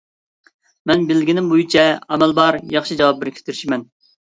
مەن بىلگىنىم بويىچە، ئامال بار ياخشى جاۋاب بېرىشكە تىرىشىمەن.